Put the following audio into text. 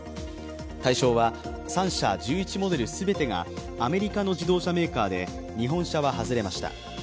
対象は３社１１モデル全てがアメリカの自動車メーカーで日本車は外れました。